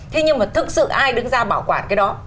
thế nhưng mà thực sự ai đứng ra bảo quản cái đó